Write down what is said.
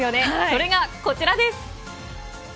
それが、こちらです。